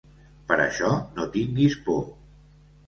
Per això no tinguis por.